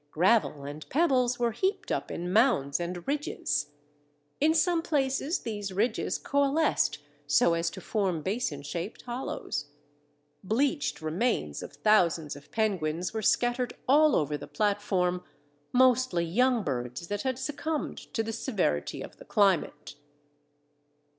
Gravel and pebbles were heaped up in mounds and ridges. In some places these ridges coalesced so as to form basin shaped hollows. Bleached remains of thousands of penguins were scattered all over the platform, mostly young birds that had succumbed to the severity of the climate."